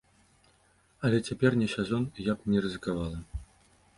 Але цяпер не сезон, і я б не рызыкавала.